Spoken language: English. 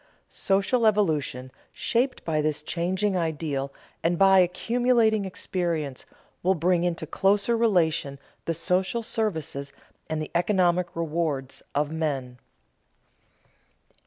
Social evolution, shaped by this changing ideal and by accumulating experience, will bring into closer relation the social services and the economic rewards of men.